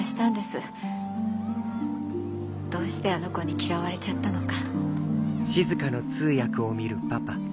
どうしてあの子に嫌われちゃったのか。